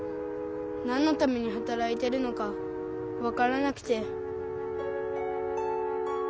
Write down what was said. なんのためにはたらいてるのかわからなくて。